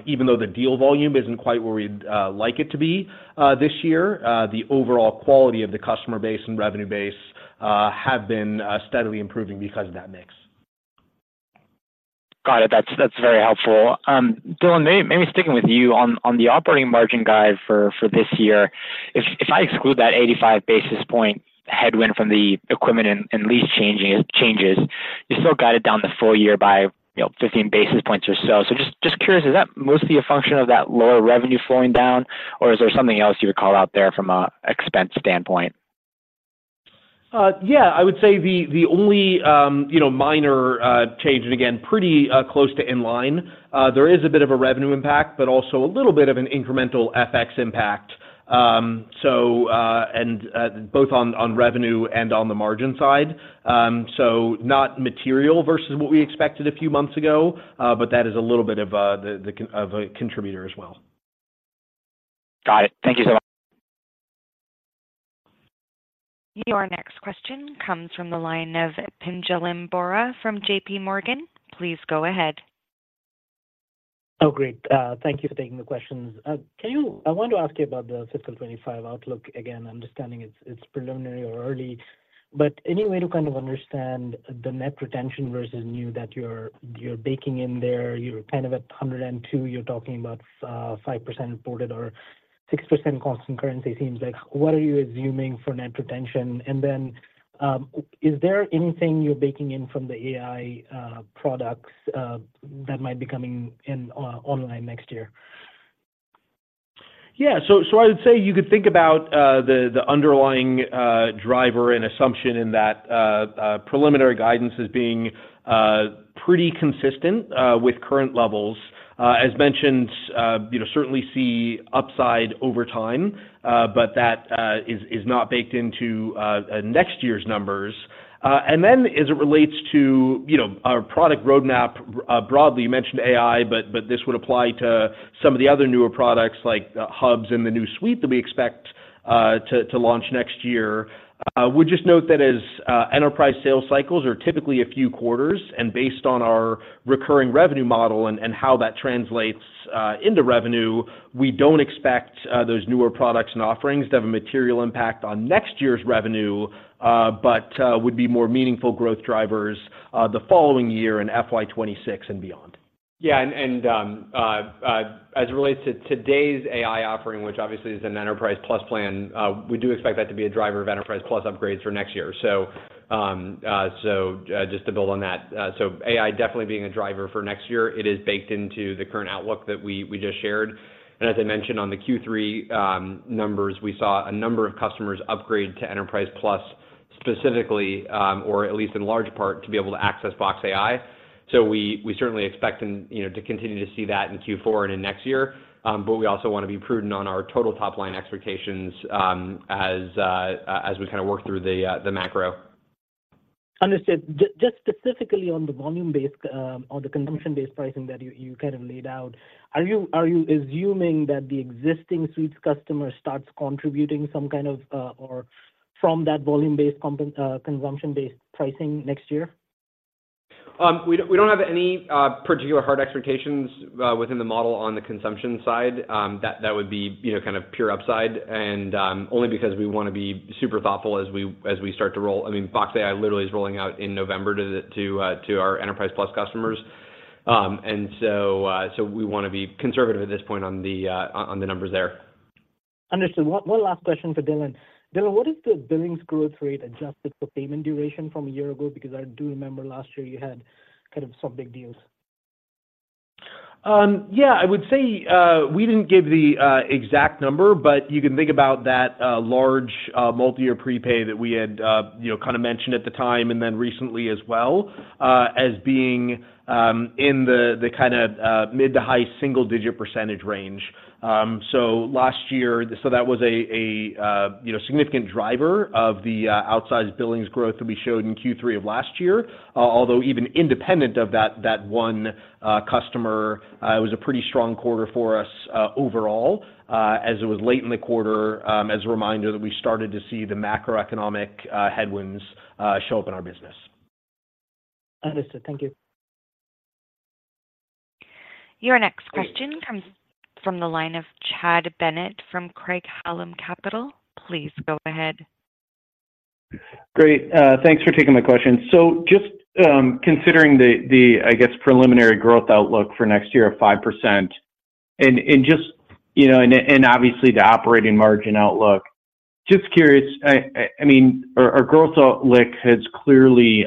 [SPEAKER 4] Even though the deal volume isn't quite where we'd like it to be, this year, the overall quality of the customer base and revenue base have been steadily improving because of that mix.
[SPEAKER 7] Got it. That's, that's very helpful. Dylan, maybe sticking with you on the operating margin guide for this year, if I exclude that 85 basis point headwind from the equipment and lease changes, you still guide it down the full year by, you know, 15 basis points or so. So just curious, is that mostly a function of that lower revenue flowing down, or is there something else you would call out there from a expense standpoint?
[SPEAKER 4] Yeah, I would say the only, you know, minor change, and again, pretty close to in line, there is a bit of a revenue impact, but also a little bit of an incremental FX impact. So, and both on revenue and on the margin side. So not material versus what we expected a few months ago, but that is a little bit of a contributor as well.
[SPEAKER 7] Got it. Thank you so much.
[SPEAKER 1] Your next question comes from the line of Pinjalim Bora from JPMorgan. Please go ahead.
[SPEAKER 8] Oh, great. Thank you for taking the questions. I want to ask you about the fiscal 2025 outlook. Again, understanding it's preliminary or early, but any way to kind of understand the net retention versus new that you're baking in there? You're kind of at 102. You're talking about 5% reported or 6% constant currency. Seems like, what are you assuming for net retention? And then, is there anything you're baking in from the AI products that might be coming online next year?
[SPEAKER 4] Yeah, so, so I would say you could think about, the, the underlying, driver and assumption in that, preliminary guidance as being, pretty consistent, with current levels. As mentioned, you know, certainly see upside over time, but that, is not baked into, next year's numbers. And then as it relates to, you know, our product roadmap, broadly, you mentioned AI, but this would apply to some of the other newer products like, Hubs and the new Suite that we expect, to launch next year. We just note that as enterprise sales cycles are typically a few quarters, and based on our recurring revenue model and how that translates into revenue, we don't expect those newer products and offerings to have a material impact on next year's revenue, but would be more meaningful growth drivers the following year in FY 2026 and beyond.
[SPEAKER 3] Yeah, as it relates to today's AI offering, which obviously is an Enterprise Plus plan, we do expect that to be a driver of Enterprise Plus upgrades for next year. So, just to build on that, AI definitely being a driver for next year. It is baked into the current outlook that we just shared. And as I mentioned on the Q3 numbers, we saw a number of customers upgrade to Enterprise Plus, specifically, or at least in large part, to be able to access Box AI. So we certainly expect them, you know, to continue to see that in Q4 and in next year, but we also want to be prudent on our total top line expectations, as we kinda work through the macro.
[SPEAKER 8] Understood. Just specifically on the volume-based, or the consumption-based pricing that you, you kind of laid out, are you, are you assuming that the existing Suites customer starts contributing some kind of, or from that volume-based consumption-based pricing next year?
[SPEAKER 3] We don't, we don't have any particular hard expectations within the model on the consumption side. That would be, you know, kind of pure upside, and only because we wanna be super thoughtful as we, as we start to roll... I mean, Box AI literally is rolling out in November to the, to our Enterprise Plus customers. And so, so we wanna be conservative at this point on the, on the numbers there.
[SPEAKER 8] Understood. One last question for Dylan. Dylan, what is the billings growth rate adjusted for payment duration from a year ago? Because I do remember last year you had kind of some big deals.
[SPEAKER 4] Yeah, I would say, we didn't give the exact number, but you can think about that large multi-year prepay that we had, you know, kind of mentioned at the time, and then recently as well, as being in the kinda mid to high single-digit percentage range. So last year, so that was a, you know, significant driver of the outsized billings growth that we showed in Q3 of last year. Although even independent of that, that one customer, it was a pretty strong quarter for us, overall, as it was late in the quarter, as a reminder that we started to see the macroeconomic headwinds show up in our business.
[SPEAKER 8] Understood. Thank you.
[SPEAKER 1] Your next question comes from the line of Chad Bennett from Craig-Hallum Capital. Please go ahead.
[SPEAKER 9] Great. Thanks for taking my question. So just considering the, I guess, preliminary growth outlook for next year of 5%, and just, you know, and obviously the operating margin outlook, just curious, I mean, our growth outlook has clearly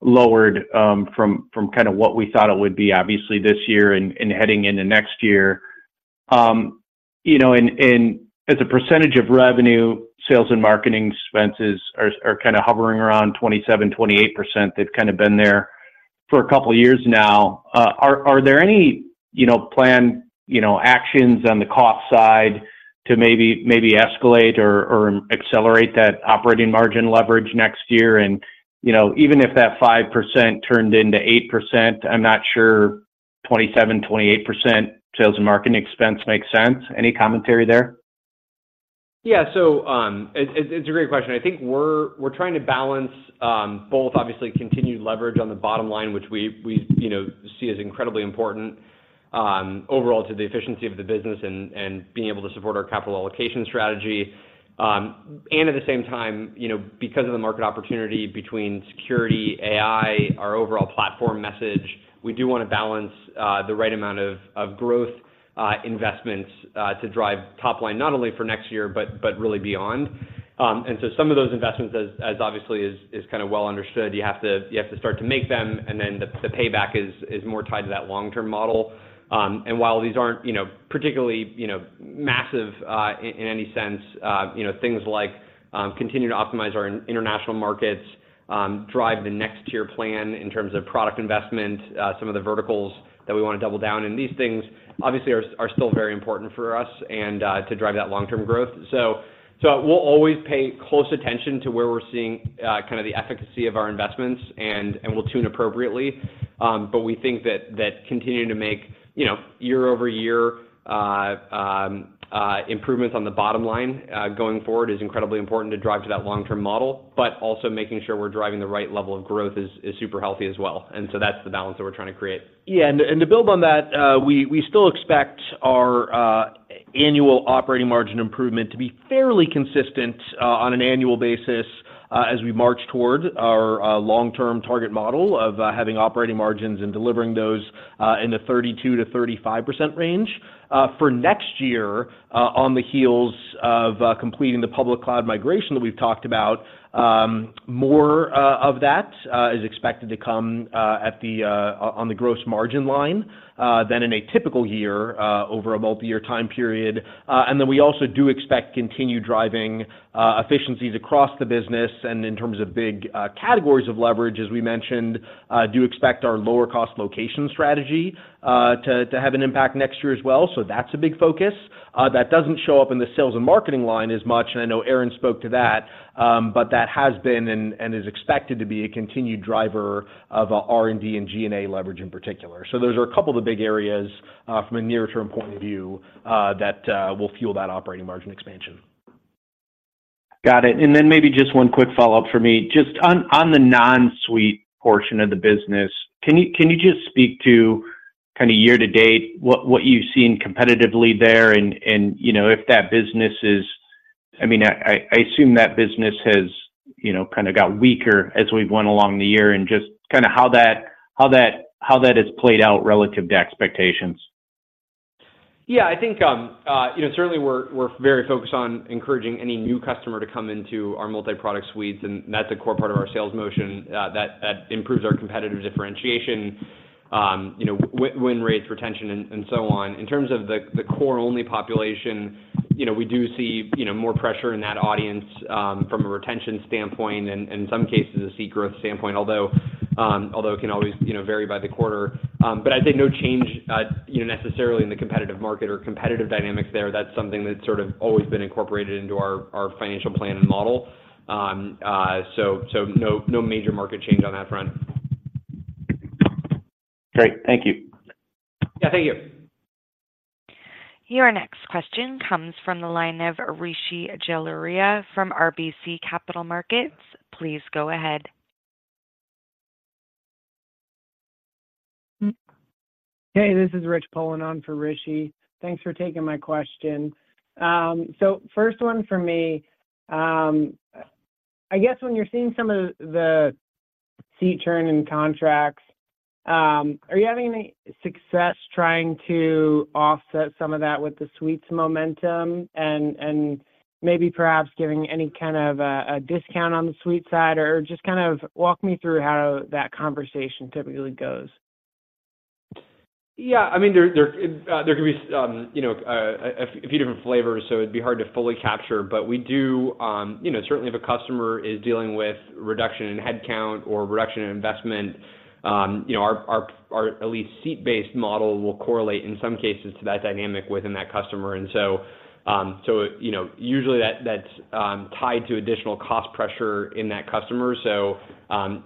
[SPEAKER 9] lowered from kind of what we thought it would be, obviously, this year and heading into next year. You know, and as a percentage of revenue, sales and marketing expenses are kind of hovering around 27%-28%. They've kind of been there for a couple of years now. Are there any, you know, planned, you know, actions on the cost side to maybe escalate or accelerate that operating margin leverage next year? You know, even if that 5% turned into 8%, I'm not sure 27%-28% sales and marketing expense makes sense. Any commentary there?
[SPEAKER 3] Yeah. So, it's a great question. I think we're trying to balance both obviously continued leverage on the bottom line, which we, you know, see as incredibly important overall to the efficiency of the business and being able to support our capital allocation strategy. And at the same time, you know, because of the market opportunity between security, AI, our overall platform message, we do wanna balance the right amount of growth investments to drive top line, not only for next year, but really beyond. And so some of those investments, as obviously is kind of well understood, you have to start to make them, and then the payback is more tied to that long-term model. And while these aren't, you know, particularly, you know, massive in any sense, you know, things like continuing to optimize our international markets, drive the next tier plan in terms of product investment, some of the verticals that we wanna double down in. These things, obviously, are still very important for us and to drive that long-term growth. So, we'll always pay close attention to where we're seeing kind of the efficacy of our investments, and we'll tune appropriately. But we think that continuing to make, you know, year-over-year improvements on the bottom line going forward is incredibly important to drive to that long-term model, but also making sure we're driving the right level of growth is super healthy as well. That's the balance that we're trying to create.
[SPEAKER 4] Yeah, and to build on that, we still expect our annual operating margin improvement to be fairly consistent on an annual basis... as we march toward our long-term target model of having operating margins and delivering those in the 32%-35% range. For next year, on the heels of completing the public cloud migration that we've talked about, more of that is expected to come on the gross margin line than in a typical year over a multi-year time period. And then we also do expect continued driving efficiencies across the business, and in terms of big categories of leverage, as we mentioned, do expect our lower-cost location strategy to have an impact next year as well. So that's a big focus. That doesn't show up in the sales and marketing line as much, and I know Aaron spoke to that, but that has been and is expected to be a continued driver of R&D and G&A leverage in particular. So those are a couple of the big areas from a near-term point of view that will fuel that operating margin expansion.
[SPEAKER 9] Got it. And then maybe just one quick follow-up for me. Just on the non-suite portion of the business, can you just speak to kinda year to date, what you've seen competitively there and, you know, if that business is... I mean, I assume that business has, you know, kinda got weaker as we've went along the year, and just kinda how that has played out relative to expectations?
[SPEAKER 3] Yeah, I think, you know, certainly we're very focused on encouraging any new customer to come into our multi-product suites, and that's a core part of our sales motion, that improves our competitive differentiation, you know, win rates, retention, and so on. In terms of the core-only population, you know, we do see, you know, more pressure in that audience, from a retention standpoint and some cases, a seat growth standpoint, although it can always, you know, vary by the quarter. But I'd say no change, you know, necessarily in the competitive market or competitive dynamics there. That's something that's sort of always been incorporated into our financial plan and model. So no major market change on that front.
[SPEAKER 9] Great. Thank you.
[SPEAKER 3] Yeah, thank you.
[SPEAKER 1] Your next question comes from the line of Rishi Jaluria from RBC Capital Markets. Please go ahead.
[SPEAKER 10] Hey, this is Rich Poland on for Rishi. Thanks for taking my question. So first one for me, I guess when you're seeing some of the seat churn in contracts, are you having any success trying to offset some of that with the suites momentum and, and maybe perhaps giving any kind of a discount on the suite side? Or just kind of walk me through how that conversation typically goes.
[SPEAKER 3] Yeah, I mean, there can be, you know, a few different flavors, so it'd be hard to fully capture. But we do, you know, certainly if a customer is dealing with reduction in headcount or reduction in investment, you know, our at least seat-based model will correlate in some cases to that dynamic within that customer. And so, you know, usually that's tied to additional cost pressure in that customer. So,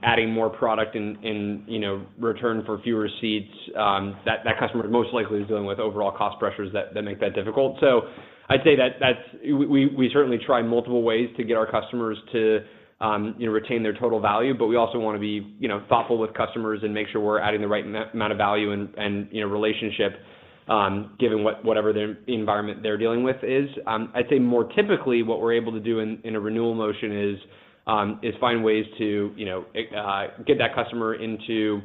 [SPEAKER 3] adding more product in return for fewer seats, that customer most likely is dealing with overall cost pressures that make that difficult. So I'd say that that's we certainly try multiple ways to get our customers to, you know, retain their total value, but we also wanna be, you know, thoughtful with customers and make sure we're adding the right amount of value and, and, you know, relationship, given whatever the environment they're dealing with is. I'd say more typically, what we're able to do in a renewal motion is find ways to, you know, get that customer into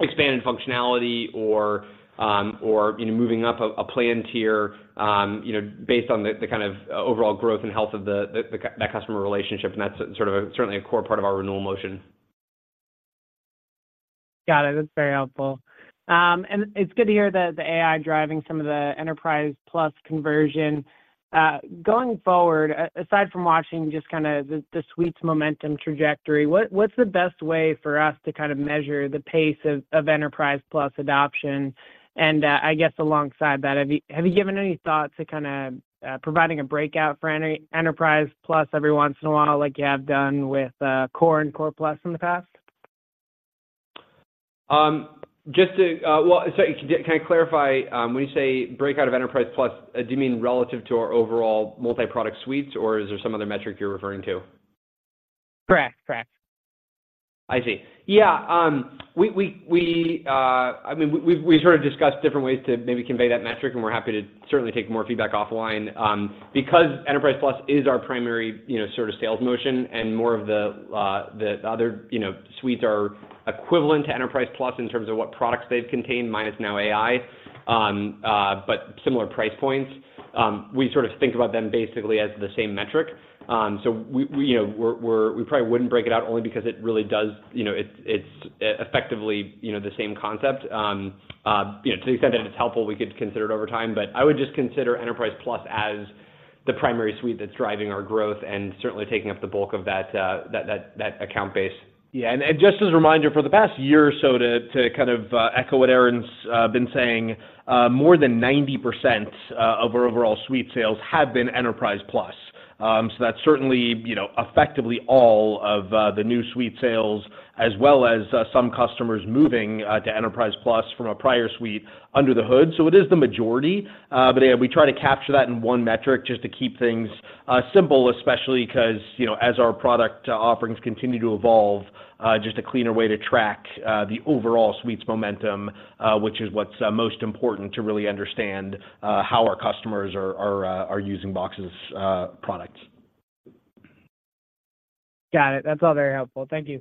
[SPEAKER 3] expanded functionality or, or, you know, moving up a plan tier, you know, based on the kind of overall growth and health of the that customer relationship, and that's sort of certainly a core part of our renewal motion.
[SPEAKER 11] Got it. That's very helpful. It's good to hear that the AI driving some of the Enterprise Plus conversion. Going forward, aside from watching just kinda the Suites momentum trajectory, what's the best way for us to kind of measure the pace of Enterprise Plus adoption? I guess alongside that, have you given any thought to kinda providing a breakout for any Enterprise Plus every once in a while, like you have done with Core and Core Plus in the past?
[SPEAKER 3] Well, so can I clarify, when you say breakout of Enterprise Plus, do you mean relative to our overall multi-product suites, or is there some other metric you're referring to?
[SPEAKER 10] Correct. Correct.
[SPEAKER 3] I see. Yeah, I mean, we sort of discussed different ways to maybe convey that metric, and we're happy to certainly take more feedback offline. Because Enterprise Plus is our primary, you know, sort of sales motion, and more of the other, you know, Suites are equivalent to Enterprise Plus in terms of what products they've contained, minus now AI, but similar price points, we sort of think about them basically as the same metric. So we, you know, probably wouldn't break it out only because it really does, you know, it's effectively, you know, the same concept. you know, to the extent that it's helpful, we could consider it over time, but I would just consider Enterprise Plus as the primary suite that's driving our growth and certainly taking up the bulk of that account base.
[SPEAKER 4] Yeah, and just as a reminder, for the past year or so, to kind of echo what Aaron's been saying, more than 90% of our overall suite sales have been Enterprise Plus. So that's certainly, you know, effectively all of the new suite sales, as well as some customers moving to Enterprise Plus from a prior suite under the hood. So it is the majority, but yeah, we try to capture that in one metric just to keep things simple, especially 'cause, you know, as our product offerings continue to evolve, just a cleaner way to track the overall Suites momentum, which is what's most important to really understand how our customers are using Box's products.
[SPEAKER 10] Got it. That's all very helpful. Thank you.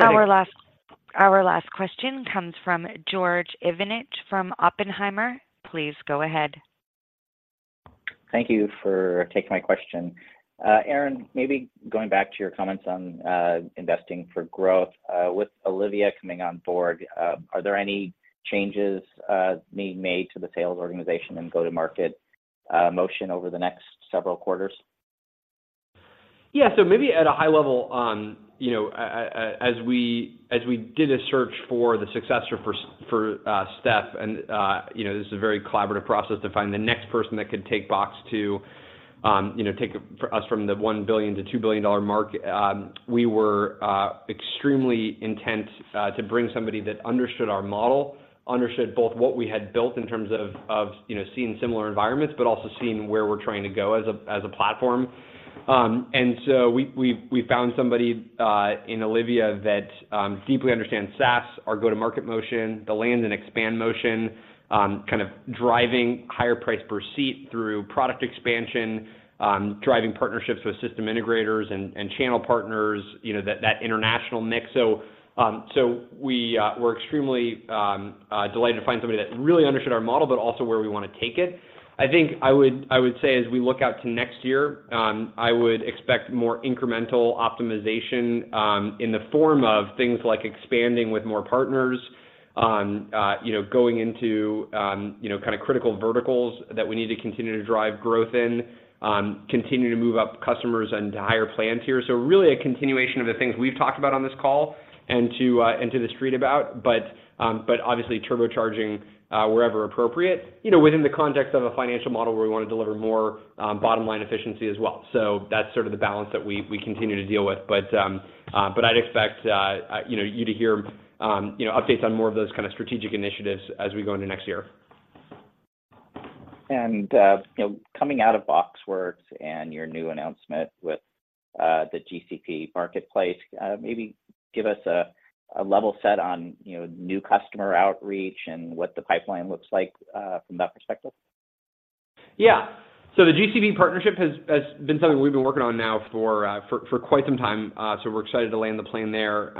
[SPEAKER 1] Our last question comes from George Iwanyc from Oppenheimer. Please go ahead.
[SPEAKER 12] Thank you for taking my question. Aaron, maybe going back to your comments on investing for growth, with Olivia coming on board, are there any changes being made to the sales organization and go-to-market motion over the next several quarters?
[SPEAKER 3] Yeah. So maybe at a high level, you know, as we did a search for the successor for Steph, and you know, this is a very collaborative process to find the next person that could take Box to, you know, take it for us from the $1 billion-$2 billion dollar mark. We were extremely intent to bring somebody that understood our model, understood both what we had built in terms of, you know, seeing similar environments, but also seeing where we're trying to go as a platform. And so we found somebody in Olivia that deeply understands SaaS, our go-to-market motion, the land and expand motion, kind of driving higher price per seat through product expansion, driving partnerships with system integrators and channel partners, you know, that international mix. So we were extremely delighted to find somebody that really understood our model, but also where we wanna take it. I think I would say as we look out to next year, I would expect more incremental optimization, in the form of things like expanding with more partners, you know, going into, you know, kind of critical verticals that we need to continue to drive growth in, continue to move up customers into higher plan tiers. So really a continuation of the things we've talked about on this call and to the street about, but obviously turbocharging wherever appropriate, you know, within the context of a financial model where we wanna deliver more bottom line efficiency as well. So that's sort of the balance that we continue to deal with. But I'd expect, you know, you to hear, you know, updates on more of those kind of strategic initiatives as we go into next year. You know, coming out of BoxWorks and your new announcement with the GCP Marketplace, maybe give us a level set on, you know, new customer outreach and what the pipeline looks like from that perspective. Yeah. So the GCP partnership has been something we've been working on now for quite some time. So we're excited to land the plane there.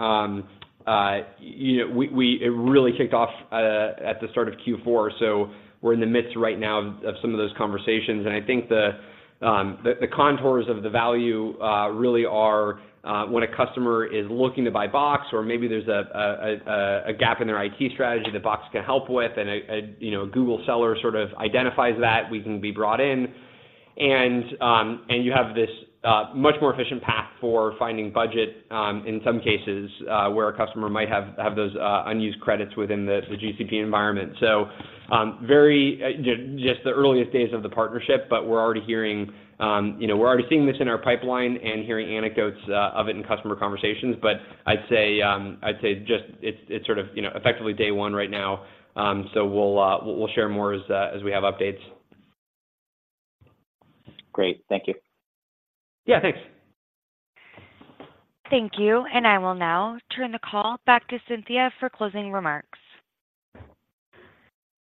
[SPEAKER 3] You know, it really kicked off at the start of Q4, so we're in the midst right now of some of those conversations. And I think the contours of the value really are when a customer is looking to buy Box, or maybe there's a gap in their IT strategy that Box can help with, and you know, a Google seller sort of identifies that, we can be brought in. You have this much more efficient path for finding budget, in some cases, where a customer might have those unused credits within the GCP environment. So, very, just the earliest days of the partnership, but we're already hearing, you know, we're already seeing this in our pipeline and hearing anecdotes of it in customer conversations. But I'd say, I'd say just it's, it's sort of, you know, effectively day one right now. So we'll, we'll share more as, as we have updates.
[SPEAKER 12] Great. Thank you.
[SPEAKER 3] Yeah, thanks.
[SPEAKER 1] Thank you, and I will now turn the call back to Cynthia for closing remarks.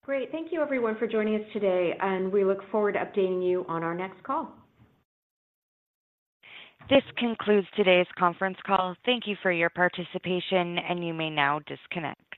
[SPEAKER 2] Great. Thank you everyone for joining us today, and we look forward to updating you on our next call.
[SPEAKER 1] This concludes today's conference call. Thank you for your participation, and you may now disconnect.